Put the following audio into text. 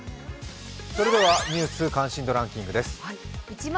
「ニュース関心度ランキング」です。